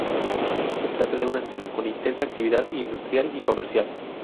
Se trata de una zona con intensa actividad industrial y comercial.